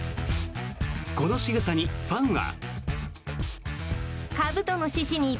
このしぐさにファンは。